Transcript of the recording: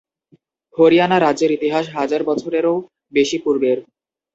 হরিয়ানা রাজ্যের ইতিহাস হাজার বছরের-ও বেশি পূর্বের।